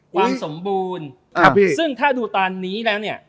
ความสมบูรณ์ซึ่งถ้าดูตอนนี้แล้วเนี่ย